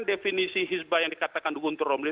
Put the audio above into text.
definisi hisba yang dikatakan gunter romli